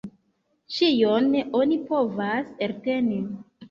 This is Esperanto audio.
Ĉion oni povas elteni.